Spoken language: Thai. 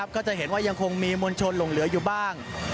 ก็จะเห็นว่ายังคงมีมวลชนหลงเหลืออยู่บ้าง